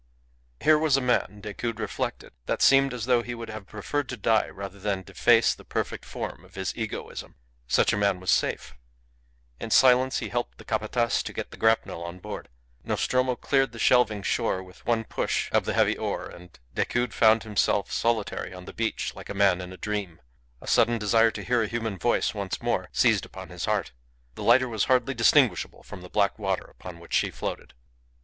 Here was a man, Decoud reflected, that seemed as though he would have preferred to die rather than deface the perfect form of his egoism. Such a man was safe. In silence he helped the Capataz to get the grapnel on board. Nostromo cleared the shelving shore with one push of the heavy oar, and Decoud found himself solitary on the beach like a man in a dream. A sudden desire to hear a human voice once more seized upon his heart. The lighter was hardly distinguishable from the black water upon which she floated.